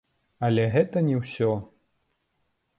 Але гэта не ўсё.